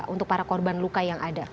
untuk para korban luka yang ada